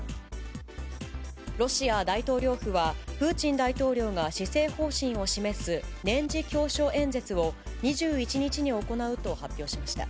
ロシア大統領府は、プーチン大統領が施政方針を示す年次教書演説を、２１日に行うと発表しました。